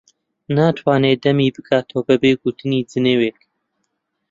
ناتوانێت دەمی بکاتەوە بەبێ گوتنی جنێوێک.